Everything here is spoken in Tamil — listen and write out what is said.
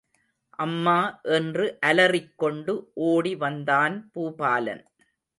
அம்மா என்று அலறிக் கொண்டு ஓடி வந்தான் பூபாலன்.